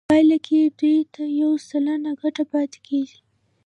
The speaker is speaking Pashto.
په پایله کې دوی ته یو سلنه ګټه پاتې کېږي